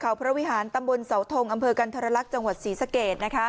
เขาพระวิหารตำบลเสาทงอำเภอกันธรรลักษณ์จังหวัดศรีสะเกด